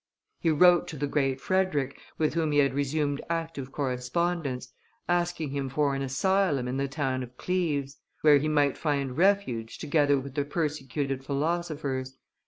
He wrote to the Great Frederick, with whom he had resumed active correspondence, asking him for an asylum in the town of Cleves, where he might find refuge together with the persecuted philosophers.